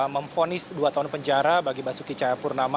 memfonis dua tahun penjara bagi basuki caya purnama